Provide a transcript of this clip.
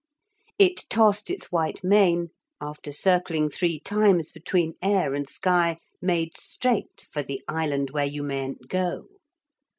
It tossed its white mane after circling three times between air and sky, made straight for the Island where you mayn't go.